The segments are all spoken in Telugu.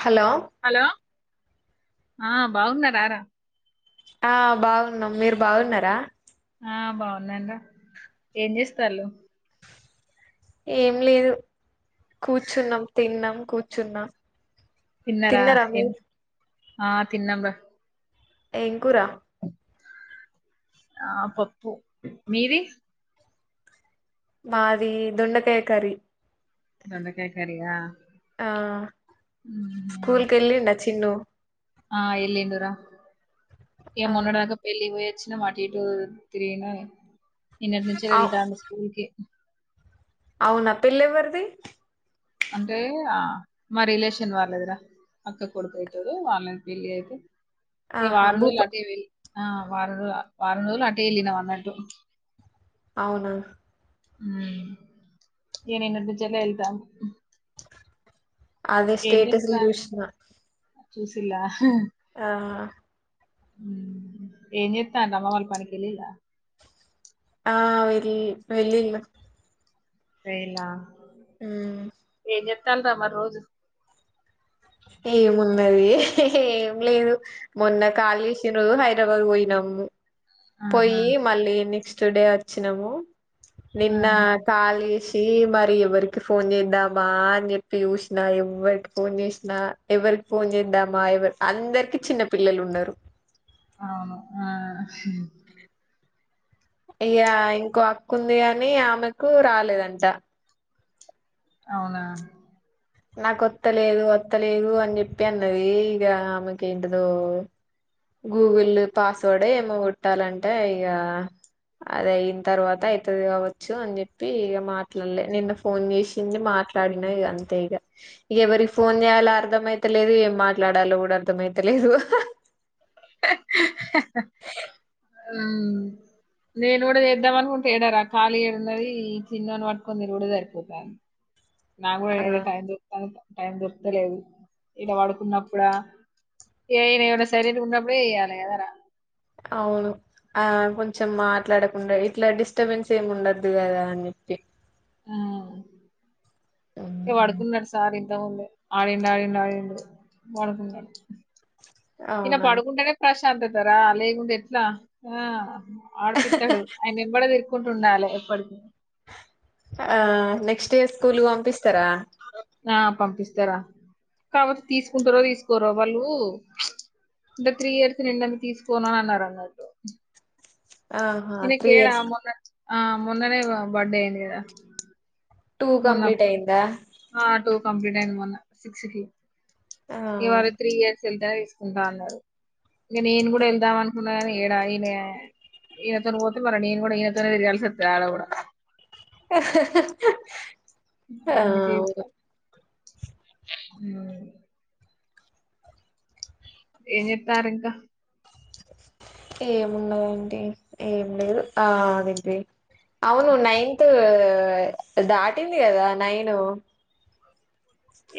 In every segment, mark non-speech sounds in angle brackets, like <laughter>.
హలో హలో ఆ బాగున్నర రా ఆ బాగున్నాం మీరు బాగున్నారా ఆ బాగున్నారా ఏం చేస్తళ ఏం లేదు కూర్చున్నాం తిన్నాం కూర్చున్నాం తిన్నారా ఏం ఆ తిన్నంరా ఏం కూర ఆ పప్పు మీది మావి దొండకాయ కర్రీ దొండకాయ కర్రీ ఆ స్కూల్ క వెళ్ళండ చిన్ను ఆ ఎల్లుండి రా ఏ ఆ మొన్నటిదాకా పెళ్లి పొయచ్చ నిన్న అటు ఇటు తిరిగిన నిన్నటి నుంచే అవు వెళ్తాంది స్కూలుకి అవునా పెళ్లి ఎవరిది? అంటే ఆ మా రిలేషన్ వాళ్ళదర అక్క కొడుకు అవుతాడు వాళ్ళ పెళ్లి అయితే ఏ ఆహా వానలు భూప లాగేవి ఆ వారాంల వారంరోలు అట్టే ఇలినా వన్నట్టు. అవునా ఉ ఏనేనుంట జలా వెల్తా అదే స్టేటస్ చేస్తా చుసిన చూసిలా హ ఆ ఎం చేతున్నావ్ అమ్మ వాళ్ళ పనికిలిలా ఆ వెలి వెళ్లిళ్లు వేయాలా అ తలరమా రోజు ఎం మున్నది హె హి ఏం లేదు మొన్న ఖాళీ చేసిన రోజు హైదరాబాద్ పోయినాము. ఆహా పోయి మళ్ళీని నెక్స్ట్ డే వచ్చినాము. నిన్న ఆహా ఖాలీస్ మరి ఎవరికి ఫోన్ చేద్దామా అని చెప్పి చూసినా. ఎవ్వరికి ఫోన్ చేసినా ఎవరికి ఫోన్ చేద్దామా, ఎవరు అందరికి చిన్న పిల్లలు ఉన్నారు. అవును ఆ ఇయ్యా ఇంకో అక్కుంది అని ఆమెకు రాలేదంట. అవునా నాకొత్తలేదు, వత్తలేదు అని చెప్పి అన్నది. ఇక ఆమెకి ఏంటదో గూగుల్ పాస్వర్డ్ ఏమో కొట్టాలంటే ఇక అది అయిన తర్వాత అవుతుంది. కావచ్చు అని చెప్పి ఇక మాట్లాడలే నిన్న ఫోన్ చేసి మాట్లాడిన ఇ అంతే ఇక. ఇక ఎవరి ఫోన్ చేయాలో అర్ధమయితలేదు, ఏం మాట్లాడాలో కూడా అర్ధమయితలేదు. <unintelligible> - <unintelligible> ఉ నేను కూడా చేేద్దాం అనుకుంటే ఏడరా ఖాళీ ఏడున్నది. చిన్నోని పట్టుకొని తిరుగిడే సరిపోతాంది. నాకు కూడా ఆ ఏడ టైమ్ చిక్కుతాలేదు. టైం దొరుకుతలేదు ఇలా పడుకున్నప్పుడా ఈడు సైలెంట్ ఉన్నప్పుడే ఇయ్యాలే కదార అవును. ఆ కొంచెం మాట్లాడకుండా ఇట్లా డిస్టబెన్స్ ఏమి ఉండద్దు కదా. అని చెప్పి ఇ పడుకున్నారు సార్ ఉ ఆడిండు ఆడిండు ఆడిండు పడుకుంటకుంటాడు. ఇన అవునా పడుకుంటేనే ప్రశ్న శంతతారా లేకుండా ఎట్లా ఆ ఆడుపిత్తాడు ఆయన నింబడది ఇ కుంటు ఉండాలి ఎప్పటికీ ఆ నెక్స్ స్కూలు పంపిస్ ఇస్తరా ఆ పంపిస్తారా కాకపోతె తీసుకుంటారో తీసుకోరో వాళ్ళు అంటే త్రీ ఇయర్స్ నిడందే తీసుకోను అని అన్నారు అన్నట్టు ఆహా ఇ త్రీ ఇయర్స్ కేడామ ఆ మన్ననే బర్డే అయింది గదా టూ కంప్లీట్ అయిందా ఆ టూ కంప్లీట్ అయింది మొన్న సిక్స్ కి ఆ ఏవ త్రియ సిధ తీసుకుంటా అన్నారు ఇక నేను కూడా వెళ్దాం అనుకున్ డా ఈయన ఈయనతో పోతే మ నేను కూడా ఈయనతోనే తిరిగాల్సి వస్త ఆడ కూడా ఆ! అందుకే ఇంగ అవును ఆ ఏం చేత్తరింక ఏమున్నదంటే ఏమి లేదు ఆ అదీ అవును నైన్త్ దాటింది కదా నైను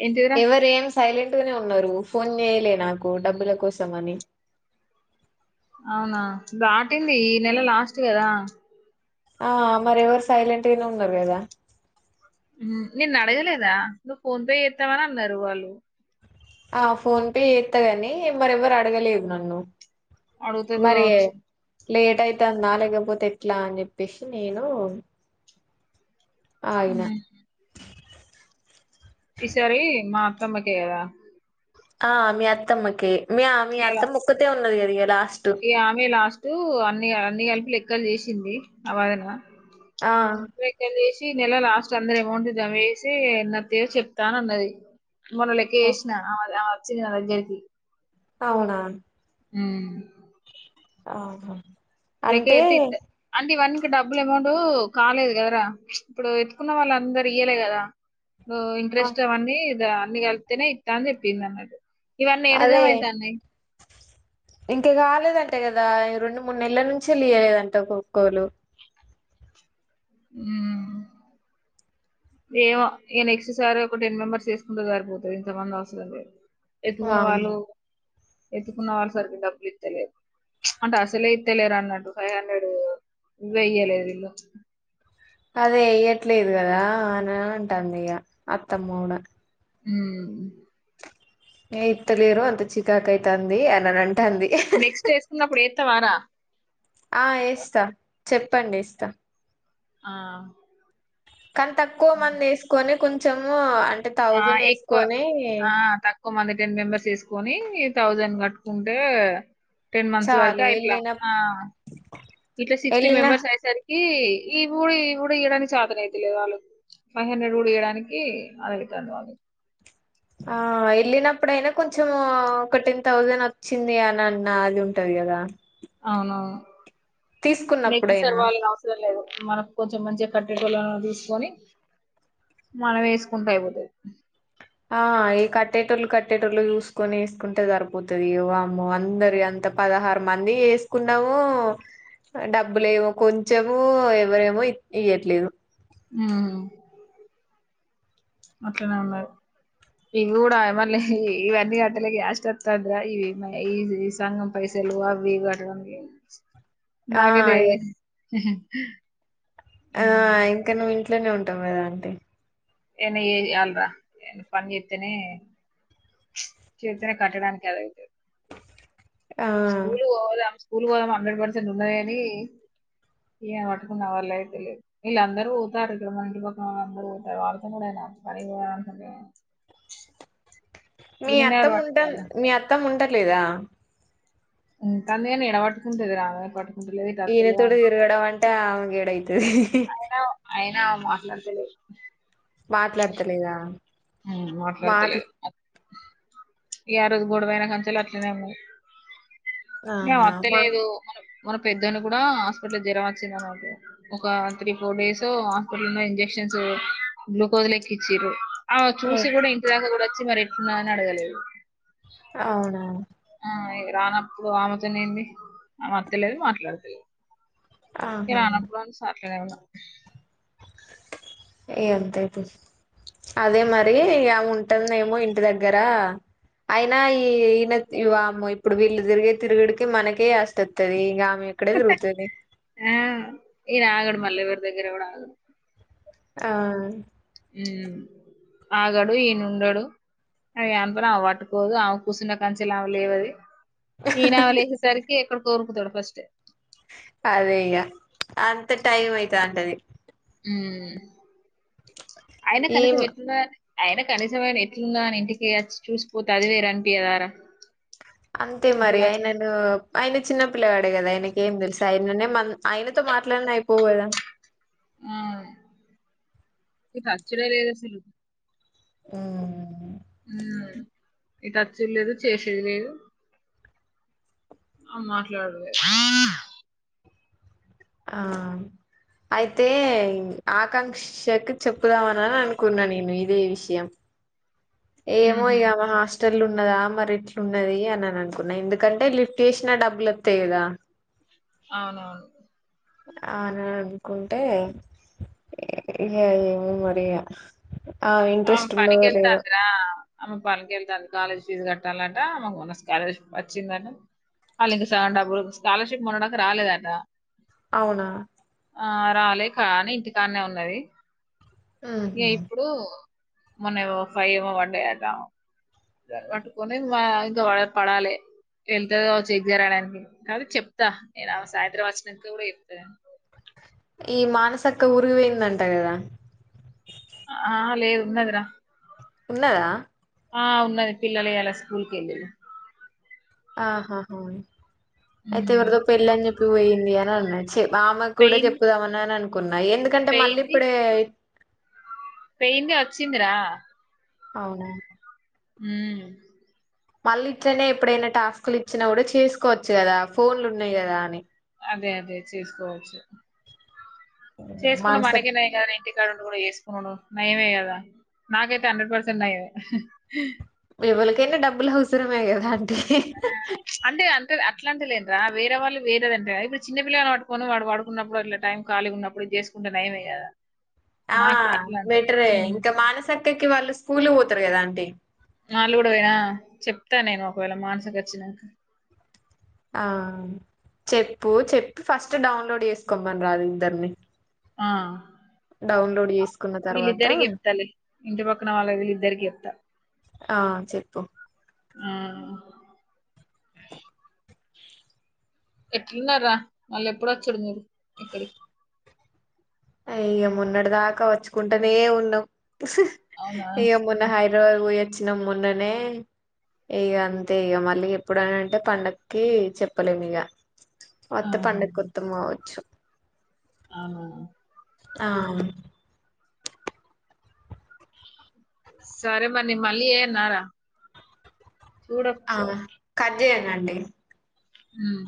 ఏంటిదిరా ఎవరు ఏం సైలెంట్ గానె ఉన్నారు ఫోన్ చేయలే నాకు డబ్బుల కోసం అని అవునా దాటింది ఈ నెల లాస్ట్ కదా ఆ మరి ఎవరు సైలెంట్ గానె ఉన్నారు కదా నిన్ను అడగలేదా నువ్వు ఫోన్ పే చేత్తవని అన్నారు వాళ్ళు ఆ ఫోన్ పే చేత్తగని మరెవ్వరు అడగలేదు నన్ను అడుగుతది మరే కావచ్చు లేట్ అయితంద లేకపో పోతె ఎట్లా అని చెప్పేసి నేను ఆగిన ఉ ఈసారి మా అత్తమ్మకె కదా ఆ మీ అత్తమ్మకె మీ మీ అత్తమ్మ ఒక్కతె ఉన్నది గద ఎలా ఇ ఆమె లాస్ట్టు అన్ని అన్ని కల్పి లెక్ లెక్కలు చేసింది ఆ వాదన ఆ లెక్కల్ చేసి ఈ నెల లాస్ట్ అందరి అమౌంట్ జమ చేసి నా పేరు చెప్తా అన్నది మొన్న ఓహ్! లెక్కేస్నా <inaudible> చిన్న ఔట్ జెసి అవున హ్మ్ ఆహా లెక్క అంటే ఎట్టి ఇత్త డబ్బులు అమౌంట్ కాలేదు కదరా ఇప్పుడు ఎత్తుకున్న వాళ్ళు అందరు ఇయ్యలే కదా ఆ ఇంట్రెస్ట్ అవన్నీ ఇగ అన్ని కలిపితేనే ఇత్త అని చెప్పింది అన్నట్టు ఇవన్నీ అదే ఏడజం అవుతాయి ఇంకా కాలేదండి అంతె కదా ఈ రెండు మూడు నెలల నుంచి లియలేదంట ఒకోక్కోలు ఉం ఏమో ఇగ నెక్స్ట్ సారి ఒక టెన్ మెంబర్స్ ఏసుకుంటె సారిపోతది ఇంతమంది అవసరం లే ఎత్తుకున్న వాళ్ళు వామ్మో ఎత్తుకున్న వాళ్ళ సరిగ డబ్బులు ఇత్తలేదు అంటె అసలే ఇత్తలేరు అన్నట్టు ఫైవ్ హండ్రెడ్ ఇవె ఇయలేదు వీల్లు అదే ఈయ్యట్లేదు గదా అని అంటంది ఇగ అత్తమ్మ గుడా హమ్ ఏ ఇత్తలేరు అంత చికాకైతాంది అన నంట నెక్స్ట్ ఏసుకున్నప్పుడు ఏ త్తవారా ఆ ఇస్తా చెప్పండి ఇస్తా ఆ కానీ తక్కువ మంది వేసుకొని కొంచం చమ అంట ఆ ఎక్కువ ఆ తక్కువ మంది టెన్ మెంబెర్స్ వేసుకొని ఈ థౌజండ్ కట్టుకుంటే టెన్ మంత్స్ వరకు చాలు అయిట్లా ఎళ్ళిన ఇట్లా సిక్స్టీ ఎళ్ళిన మెంబర్స్ అయి సారీ ఈ ఈ ఊడి ఈ ఊడి ఇయడానికి చతన అయితలేదు వాళ్ళు ఫైవ్ హండ్రెడ్ ఊడి ఇయడానికి అనిళ్తారు వాళ్ళు ఆ వెళ్ళినప్పుడైనా కొంచెం ఒక టెన్ థౌజండ్ వచ్చింది అని అన్న అది ఉంటది కదా అవునవును తీసుకున్నప్పుడైనా నెక్సర్ వాళ్లని అవసరం లేదు మనకు కొంచెం మంచిగా కట్ లను తీసుకొని మన వేసుకుంటా అయిపోతుది ఆ ఈ కట్టేటోళ్ళు కట్టేటోళ్ళు చూసుకొని వేసుకుంటే సరిపోతుది వామ్మో అందరి అంత పదహారు మంది వేసుకున్నామో డబ్బులే ఏమో కొంచెమ ఎవరేమో ఇయట్లేదు హ మత్త న ఇవి కూడాడా మళ్ళ ఇ అన్ని అటలకి ఎస్ అత్త అద ఇవి మ ఈ సంగం పైసలు అవటం ఆ నాగదే ఇ హ ఆ ఇంక ఇట్లనే ఉంటాం కదా అంటే ఎ ఏ అాలరా పని చెతేనే చేతనే కట్టడానికి అది అయితది ఆ స్కూలు పోవాల పూలుదం హండ్రెడ్ పర్సెంట్ ఉండది అని ఏ పట్టుకున్న వాళ్ళు అయితే తెలిదు వీళ్ళు అందరూ పోతారు ఇక్కడ మ ఇంటి పక్కన వాళ్ అందరూ పోతారు వాళ్ళతో కూడా పనిపోే మీ అత్తఅమ్మ ముంటాను మీ అత్తఅమ్మ ముంట దా తందే ఇడవటుకు తదురా పాటు ఈయన తోడు తిరుగడం అంటే ఆ గీడైతు అ మాట్లాడుతలే మాట్లాడతలేదా మాట్లా మాట్లాడుతులేదు ఆ రోజు గొడవనా కంచాలు అట్లేనేమో ఏ ఆహా మా వత్తలేదు మనం మన పెద్దని కూడా హాస్పిటల్ జ్వరం వచ్చింది అనమాట ఒక త్రీ ఫోర్ డేస్ హాస్పిటల్ లో ఇంజక్షన్స్ గ్లూకోజ్ లెక్కిచీరు ఆ చూసి కూడా ఇంటి దకా కూడా ఎట్టా ఉందా అని అడగలేదు అవునా ఆ రానప్పుడు ఆమెతోనే ఏంది ఆ అత్తలేదు మాట్లాడతలేదు ఇ ఆహా రానప్పుడుని సరేలే ఓ అంతైతే అదే మరి ఇము ఉంటుందేమో ఇంటి దగ్గరా అయినా ఈ ఈయన ఇము ఇప్పుడు వీళ్ళు తిరిగే తిరుగుడికి మనకే అస్తస్తుది ఇక ఇక్కడే తిరుగుతది మల్వేర్ దగ్గర కూడా ఆగదు ఆ మ్మ్ ఆగాడు ఈయనండడు అది అంతర ఆ పట్టుకోదు ఆమె కూచున్న కాదనుంచి లేగలేవదు ఆది ఈయనా వ లే సరికి ఎక్కడ కోర్కుత ఫస్ట్ అదే ఇ్యా అంత టైం అయిత ఉంటది మ్మ్ అయినా ఏం కనీసం ఎట్న్న అయినా కనీసంమ ఎట్లుందా అని ఇంటికిచ్చి చూసిపోతే అది వేరు అనిటికథరా అంతే మరి ఆయనను ఆయన చిన్న పిల్లవాడే కదా ఆయన అనకేం తెలుసు అయనన్న ఆయనతో మాట్లాడన అయిపోవు కదా ఆ ఇ ఖర్చుడ లేదు అసలు మ్మ్ మ్మ్ ఇ టచ్చలేదు చేసేది లేదు ఆ మాట్లాడలే ఆ అయితే ఆకాంక్షకు చెప్పుదామనిని అనుకున్నా నేను ఇదే విషయం ఏమో ఉహు, ఇమా హాస్టల్ ఉన్నదా మరి రట్లు ఉన్నది అని అని అనుకున్నా ఎందుకంటే లిఫ్ట్ చేసినా డబ్బులు వత్తయి కదా అవునవును అన అనుకుంటే ఇ ఏమో మరి ఇగ ఆ ఆమె ఇంట్రెస్ట్ పనికి ఉన్నదో లేదో వెళ్తాందిరా ఆమె పనికి ఎల్తాంది కాలేజ్ ఫీజు కట్టాలంట మాకు మన్న స్కాలర్షిప్ వచ్చిందట వాళ్ళు ఇంక శానా డబ్బులు స్కాలర్షిప్ మొన్నటిదాకా రాలేదట అవునా ఆ రాలే కానీ ఇంటికాన్నే ఉన్నది ఇగ ఉహు ఇప్పుడు మొన్న ఏవో ఫై ఏమో పడ్డాయాట పట్టుకనే ఇంకా పడాలి వెళ్తది కావచ్చు ఎగ్జామ్ రాయడానికి కానీ చెప్తా నేను ఆమెకు సాయంత్రం వచ్చినంక కూడా చెప్తా ఈ మానసక్క ఉరికి పోయింది అంట కదా ఆ లేదున్నదిరా ఉన్నాదా ఆ ఉన్నది పిల్లలు ఎలా స్కూల్కి వెళ్లిళ్లు ఆహాహ అయితేవరిదో పెళ్లి అని చెప్ దు పోయింది అని అన్నది చె మా అమ్మకు కూడా పెయిన్ చెప్పుదామని అని అనుకు ఎందుకంటే మళ్ళీ పెయింది ఇప్పుడే పెయింది వచ్చింది రా అవునా ఉం మళ్ళీ ఇట్లనే ఎప్పుడైనా టాస్క్లు ఇచ్చినా కూడా చేసుకోవచ్చు కదా ఫోన్లు ఉన్నాయి కదా అని అదే అదే చేసుకోవచ్చు చేసుకుండు మనస మనకె నయం కదర ఇంటికాదుండి కూడా చేసుకునుడు నయమే కదా నాకైతే హండ్రెడ్ పర్సెంట్ నయమే ఎవలకైనా డబ్బులు అవసరమే కదా అంటే అంటే అట్లాంటలేను రా వేరే వాళ్ళు వేరే అంటర ఇప్పుడు చిన్న పల్లని పట్టుకొని వాడు పడుకున్నప్పుడు అట్లా టైం ఖాలిగా ఉన్నప్పుడు చేసుకుంటే నయమే కదా ఆ నాకు అట్లా అంటారు బెటరే ఉమ్. ఇంకా మానసక అక్కక్కి వాళ్ళు స్కూల్ కి పోతారు కదా అంటీ వాళ్ళు గుడ పోయినా ఆ చెప్తాను నేను ఒకవేళ మానసకి వచ్చినంక ఆ చెప్పు చెప్పి ఫస్ట్ డౌన్లోడ్ చేసుకోమను రాదు ఇద్దరిని ఆ డౌన్లోడ్ చేసు వీళ్ళిద్దరికి చెప్తాలే ఇంటి పక్కన వాళ్ళ వీళ్ళిద్దరికి చెప్ తా ఆ చెప్పు ఆ <inaudible> ఎట్లున్న రా మళ్ళీ ఎప్పుడు వచ్చడు మీరు ఇక్కడి అయ్య మొన్నటి దాకా వచ్చుకుంటేనే ఉన్నాం అవునా ఇగ మొన్న హైదరాబాద్ పో వచ్చినం మొన్న నే ఇగ అంతే ఇక మళ్ళీ ఎప్పుడన అంటే పండగకి చెప్పలేము ఇగ కొత్త ఆహా. పండకు వతం కావచ్చు అవునా ఆ సరే మనిీ మళ్ళీ చేయనా రా చూడచ్చు అదేనా అండి హ్మ్